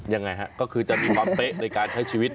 ยังไงฮะก็คือจะมีความเป๊ะในการใช้ชีวิต